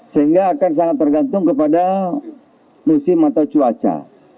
sehingga akan sangat tergantung kepada musim atau cuaca